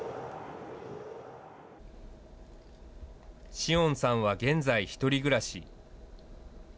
紫桜さんは現在、１人暮らし。